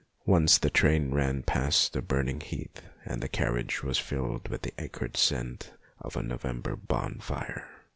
Once the train ran past a burning heath and the carriage was filled with the acrid scent of a November bonfire.